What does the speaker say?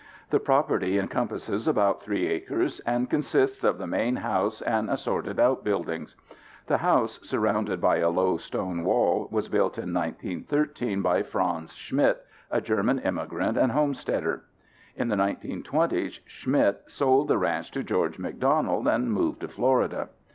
The property encompasses about three acres and consists of the main house and assorted outbuildings. The house, surrounded by a low stone wall, was built in 1913 by Franz Schmidt, a German immigrant and homesteader. In the 1920s Schmidt sold the ranch to George McDonald and moved to Florida.